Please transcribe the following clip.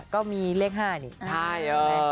ก็มีเลข๕นี่ใช่